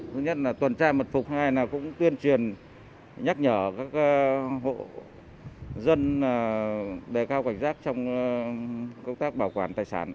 thứ nhất là tuần tra mật phục hai cũng tuyên truyền nhắc nhở các hộ dân đề cao cảnh giác trong công tác bảo quản tài sản